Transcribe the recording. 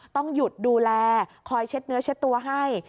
ต้องหยุดดูแลคอยเช็ดเนื้อเช็ดตัวให้